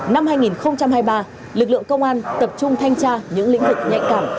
năm hai nghìn hai mươi ba lực lượng công an tập trung thanh tra những lĩnh vực nhạy cảm